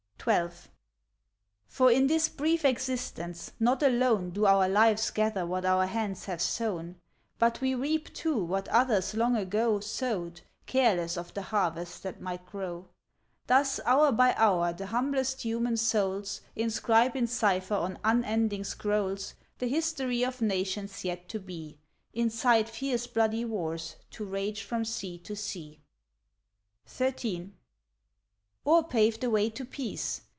XII. For in this brief existence, not alone Do our lives gather what our hands have sown, But we reap, too, what others long ago Sowed, careless of the harvests that might grow. Thus hour by hour the humblest human souls Inscribe in cipher on unending scrolls, The history of nations yet to be; Incite fierce bloody wars, to rage from sea to sea, XIII. Or pave the way to peace.